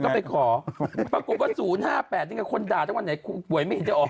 ก็ไปขอปรากฏว่า๐๕๘นี่ไงคนด่าถ้าวันไหนป่วยไม่เห็นจะออก